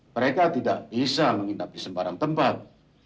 mereka tidak bisa menginap di sembarang tempat